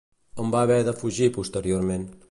On va haver de fugir posteriorment?